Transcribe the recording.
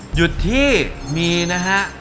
หยุดที่มีนะฮะ